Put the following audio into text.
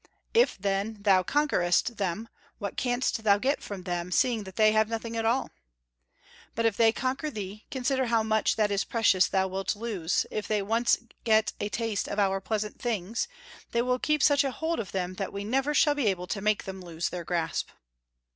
If, then, thou conquerest them, what canst thou get from them, seeing that they have nothing at all? But if they conquer thee, consider how much that is precious thou wilt lose; if they once get a taste of our pleasant things, they will keep such a hold of them that we never shall be able to make them lose their grasp."